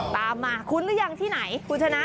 ตามมาคุ้นหรือยังที่ไหนคุณชนะ